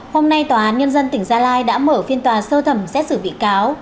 hôm nay tòa án nhân dân tỉnh gia lai đã mở phiên tòa sơ thẩm xét xử bị cáo